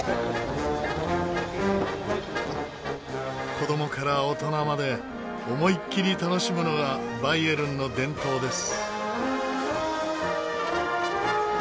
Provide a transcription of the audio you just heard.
子供から大人まで思いっきり楽しむのがバイエルンの伝統です。